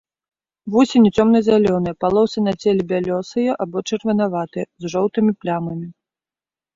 Вусені цёмна-зялёныя, палосы на целе бялёсыя або чырванаватыя, з жоўтымі плямамі.